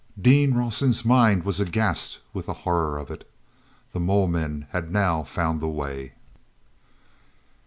Dean Rawson's mind was aghast with the horror of it: the mole men had now found the way.